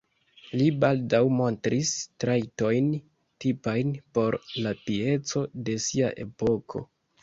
Li baldaŭ montris trajtojn tipajn por la pieco de sia epoko.